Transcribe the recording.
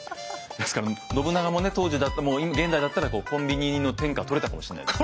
ですから信長もね当時だったら現代だったらコンビニの天下を取れたかもしれないですね。